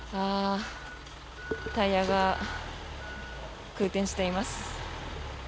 タイヤが空転しています。